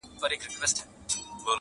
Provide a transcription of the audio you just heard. نه یې ږغ سوای تر شپانه ور رسولای -